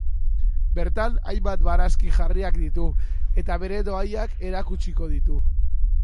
Bertan, hainbat barazki jarriak ditu eta bere dohaiak erakutsiko ditu.